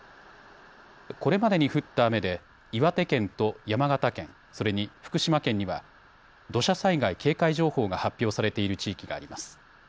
これまでに降った雨で岩手県と山形県、それに福島県には土砂災害警戒情報が発表されている地域があります。